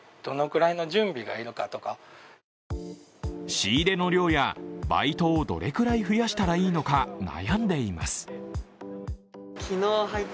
仕入れの量やバイトをどれくらい増やしたらいいか悩んでいます。